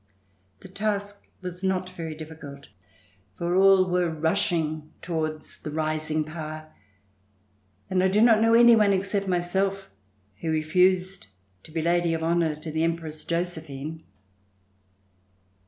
The task was not very difficult, for all were rushing towards the rising power, and I do not know any one, except myself, who refused to be Lady of Honor to the Empress Josephine.